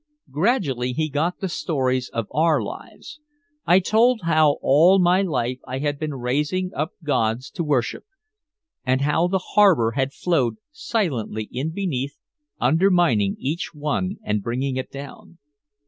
Gradually he got the stories of our lives. I told how all my life I had been raising up gods to worship, and how the harbor had flowed silently in beneath, undermining each one and bringing it down.